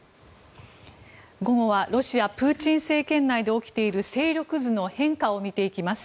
午後はロシアプーチン政権内で起きている勢力図の変化を見ていきます。